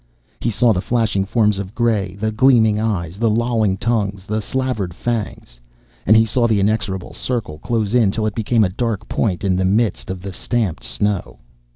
He saw the flashing forms of gray, the gleaming eyes, the lolling tongues, the slavered fangs. And he saw the inexorable circle close in till it became a dark point in the midst of the stamped snow.